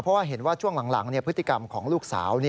เพราะว่าเห็นว่าช่วงหลังพฤติกรรมของลูกสาว